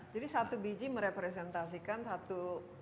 jadi satu biji merepresentasikan satu